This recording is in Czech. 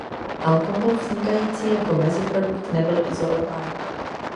Alkohol vznikající jako meziprodukt nebyl izolován.